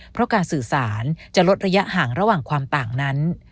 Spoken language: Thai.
เพราะการสื่อสารจะลดระยะห่างระหว่างความต่างนั้น